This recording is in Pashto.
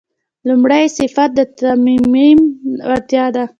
لومړی صفت د تعمیم وړتیا ده.